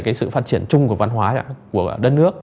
đối với sự phát triển chung của văn hóa của đất nước